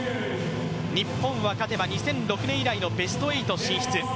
日本は勝てば２００６年以来のベスト８進出。